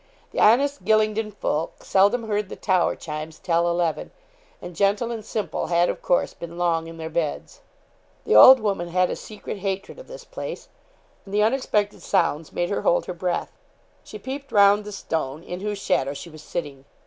The honest Gylingden folk seldom heard the tower chimes tell eleven, and gentle and simple had, of course, been long in their beds. The old woman had a secret hatred of this place, and the unexpected sounds made her hold her breath. She peeped round the stone, in whose shadow she was sitting.